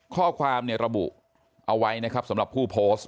ข้อความระบุเอาไว้นะครับสำหรับผู้โพสต์